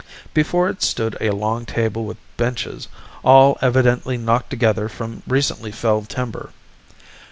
Before it stood a long table with benches, all evidently knocked together from recently felled timber.